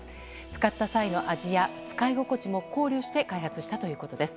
使った際の味や使い心地も考慮して開発したということです。